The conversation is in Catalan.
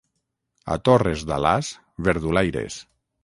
A Torres d'Alàs, verdulaires.